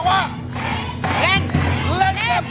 ตกลงว่า